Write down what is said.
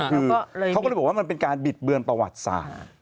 คือเขาก็เลยบอกว่ามันเป็นการบิดเบือนประวัติศาสตร์